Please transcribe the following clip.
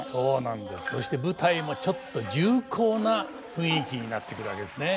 そして舞台もちょっと重厚な雰囲気になってくるわけですね。